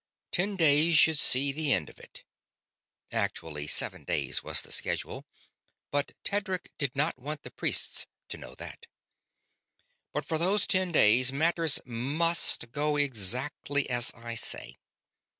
Ten days should see the end of it" actually seven days was the schedule, but Tedric did not want the priests to know that "but for those ten days matters must go exactly as I say.